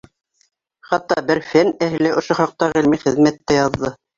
Хатта бер фән әһеле ошо хаҡта ғилми хеҙмәт тә яҙҙы.